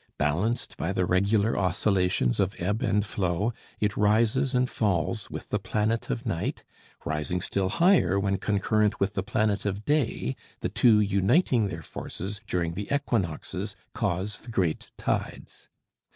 Balanced by the regular oscillations of ebb and flow, it rises and falls with the planet of night; rising still higher when concurrent with the planet of day, the two uniting their forces during the equinoxes cause the great tides.